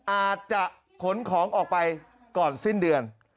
อาจจะขนของออกไปก่อนสิ้นเดือน